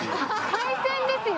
海鮮ですよ！